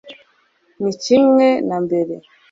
ni kimwe na mbere